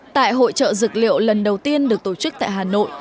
tại hội trợ dược liệu lần đầu tiên được tổ chức tại hà nội